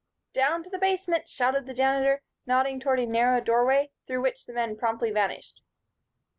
"Down to the basement!" shouted the Janitor, nodding toward a narrow doorway, through which the men promptly vanished.